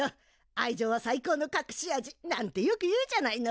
愛情は最高のかくし味なんてよく言うじゃないの！